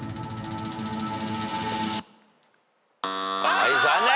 はい残念！